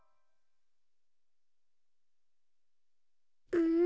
うん？